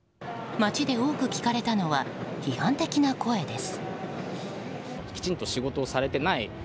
街で多く聞かれたのは批判的な声です。